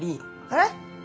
あれ？